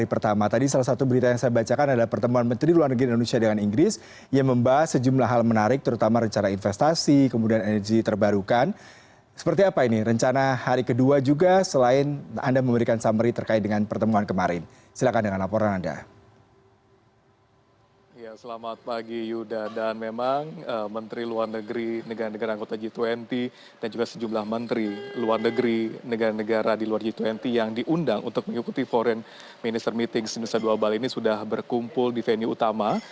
selamat pagi yuda dan memang menteri luar negeri negara negara angkota g dua puluh dan juga sejumlah menteri luar negeri negara negara di luar g dua puluh yang diundang untuk mengikuti foreign minister meeting sinusa dua bali ini sudah berkumpul di venue utama